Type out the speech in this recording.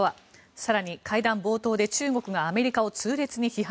更に会談冒頭で中国がアメリカを痛烈に批判。